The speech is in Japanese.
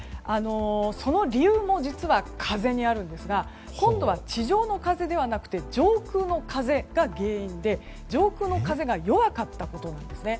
その理由も実は風にあるんですが今度は地上の風ではなくて上空の風が原因で上空の風が弱かったことなんですね。